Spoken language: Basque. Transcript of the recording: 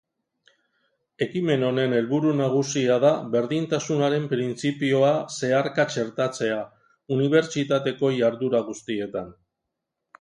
Ekimen honen helburu nagusia da berdintasunaren printzipioa zeharka txertatzea, unibertsitateko iharduera guztietan.